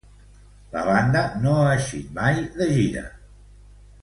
La banda no ha eixit mai de gira.